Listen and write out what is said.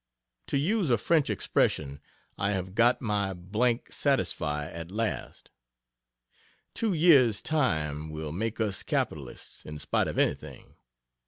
TO use a French expression I have "got my d d satisfy" at last. Two years' time will make us capitalists, in spite of anything.